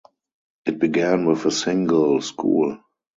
It began with a single school.